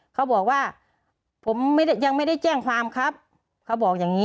เขาบอกว่าผมไม่ได้ยังไม่ได้แจ้งความครับเขาบอกอย่างนี้